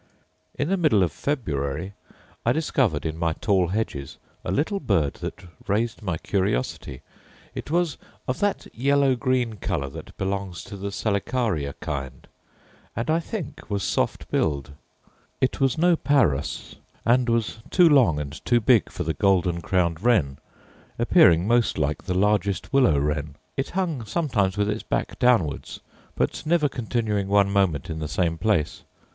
In the middle of February I discovered, in my tall hedges, a little bird that raised my curiosity: it was of that yellow green colour that belongs to the salicaria kind, and, I think, was soft billed. It was no parus, and was too long and too big for the golden crowned wren, appearing most like the largest willow wren. It hung sometimes with its back downwards, but never continuing one moment in the same place.